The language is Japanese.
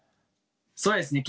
そうですね。